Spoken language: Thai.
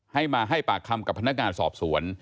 ให้มาให้ปากคำกับพนักงานสอบสวน